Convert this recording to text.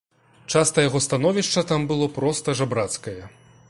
Часта яго становішча там было проста жабрацкае.